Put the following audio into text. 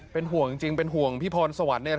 เป็นห่วงจริงพี่พรสวรรค์